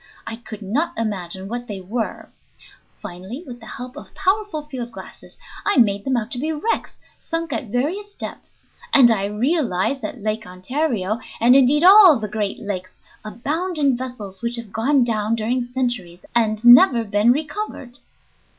I could not imagine what they were. Finally, with the help of powerful field glasses, I made them out to be wrecks sunk at various depths, and I realized that Lake Ontario, and indeed all the great lakes, abound in vessels which have gone down during centuries and never been recovered.